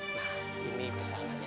nah ini pesanannya nih ya